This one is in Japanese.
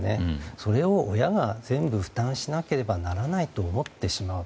それを親が全部負担しなければならないと思ってしまう。